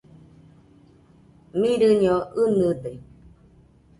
Mirɨño ɨnɨde.